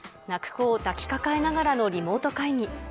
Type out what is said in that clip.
泣く子を抱きかかえながらのリモート会議。